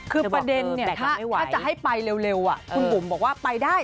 คือประเด็นเนี่ยถ้าจะให้ไปเร็วคุณบุ๋มบอกว่าไปได้